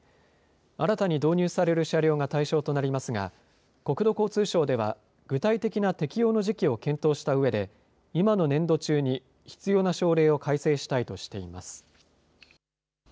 新たに導入される車両が対象となりますが、国土交通省では、具体的な適用の時期を検討したうえで、今の年度中に必要な省令を改正したいとしています。